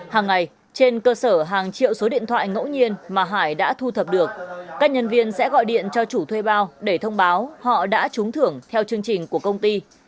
hàng ngày trên cơ sở hàng triệu số điện thoại ngẫu nhiên mà hải đã thu thập được các nhân viên sẽ gọi điện cho chủ thuê bao để thông báo họ đã trúng thưởng theo chương trình của công ty